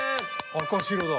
赤白だ！